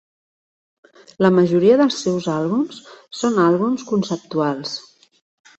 La majoria dels seus àlbums són àlbums conceptuals.